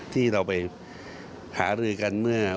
ที่เราไปหารือกันเมื่อ